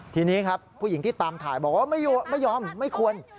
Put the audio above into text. ทีนี้ครับผู้หญิงที่ตามถ่ายบอกว่าไม่ยอมไม่ควร